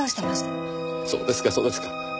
そうですかそうですか。